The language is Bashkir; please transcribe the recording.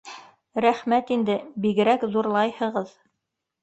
Рәхмәт инде, бигерәк ҙурлайһығыҙ!